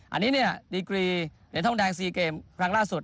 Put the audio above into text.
อันนี้เนี่ยดีกรีเหรียญทองแดง๔เกมครั้งล่าสุด